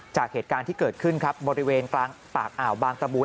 จากเหตุการณ์ที่เกิดขึ้นครับบริเวณกลางปากอ่าวบางตะบูน